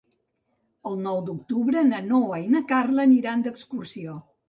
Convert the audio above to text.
El nou d'octubre na Noa i na Carla aniran d'excursió.